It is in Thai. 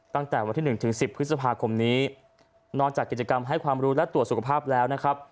ตั้งแต่วันที่หนึ่งถึงสิบพฤษภาคมนี้นอกจากกิจกรรมให้ความรู้และตรวจสุขภาพแล้วนะครับ